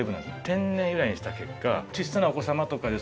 天然由来にした結果小さなお子様とかですね